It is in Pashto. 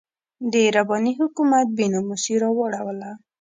د رباني حکومت بې ناموسي راواړوله.